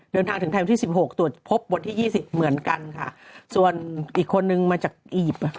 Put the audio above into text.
เดินทางถึงไทยวันที่สิบหกตรวจพบวันที่ยี่สิบเหมือนกันค่ะส่วนอีกคนนึงมาจากอียิปต์